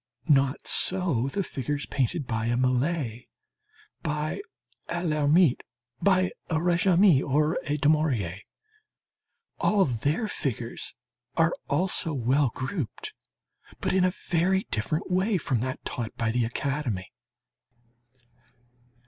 Not so the figures painted by a Millet, by a Lhermitte, by a Régamey, or a Daumier. All their figures are also well grouped, but in a very different way from that taught by the academy.